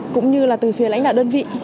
cũng như là từ phía lãnh đạo đơn vị